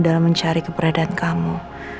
dalam mencari keberadaan kamu